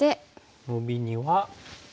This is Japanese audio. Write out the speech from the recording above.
ノビには。